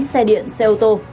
xe điện xe ô tô